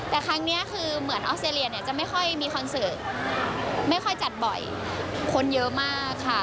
แต่ครั้งนี้คือเหมือนออสเตรเลียเนี่ยจะไม่ค่อยมีคอนเสิร์ตไม่ค่อยจัดบ่อยคนเยอะมากค่ะ